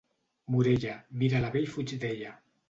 Morella, mira-la bé i fuig d'ella.